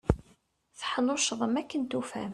Teḥnuccḍem akken tufam.